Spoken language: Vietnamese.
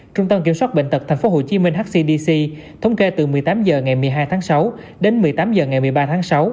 trung tâm kiểm soát bệnh tật tp hcm hcdc thống kê từ một mươi tám h ngày một mươi hai tháng sáu đến một mươi tám h ngày một mươi ba tháng sáu